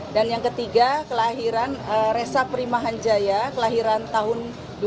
dan yang ketiga resa primahanjaya kelahiran tahun dua ribu